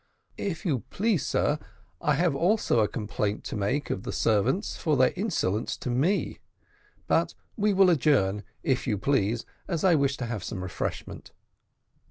"If you please, sir, I have also a complaint to make of the servants for their insolence to me: but we will adjourn, if you please, as I wish to have some refreshment."